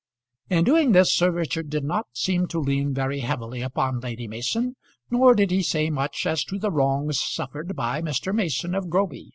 In doing this Sir Richard did not seem to lean very heavily upon Lady Mason, nor did he say much as to the wrongs suffered by Mr. Mason of Groby.